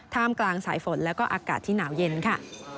ท่ามกลางสายฝนและอากาศที่หนาวเย็นค่ะ